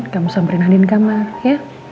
kamu samperin anin di kamar ya